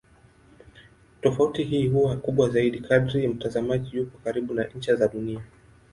Tofauti hii huwa kubwa zaidi kadri mtazamaji yupo karibu na ncha za Dunia.